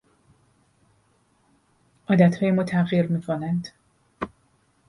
عادتهای ما تغییر میکنند